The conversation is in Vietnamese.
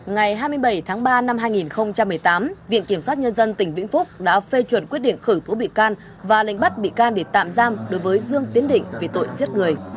ngày hai mươi bảy tháng ba năm hai nghìn một mươi tám viện kiểm sát nhân dân tỉnh vĩnh phúc đã phê chuẩn quyết định khởi tố bị can và lệnh bắt bị can để tạm giam đối với dương tiến định về tội giết người